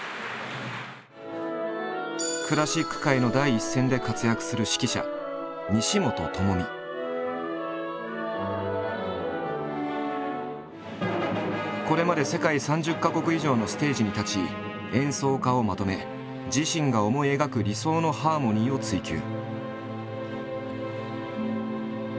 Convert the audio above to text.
クラシック界の第一線で活躍するこれまで世界３０か国以上のステージに立ち演奏家をまとめ自身が思い描く理想のハーモニーを追求。